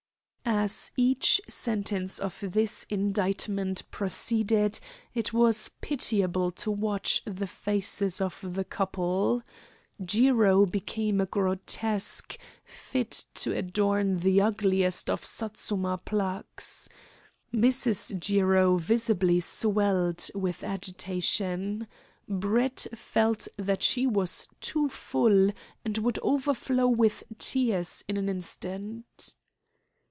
As each sentence of this indictment proceeded it was pitiable to watch the faces of the couple. Jiro became a grotesque, fit to adorn the ugliest of Satsuma plaques. Mrs. Jiro visibly swelled with agitation. Brett felt that she was too full, and would overflow with tears in an instant.